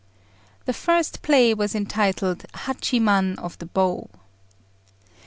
The first play was entitled Hachiman of the Bow.